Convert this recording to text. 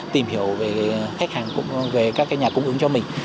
tìm hiểu về các nhà cung ứng cho mình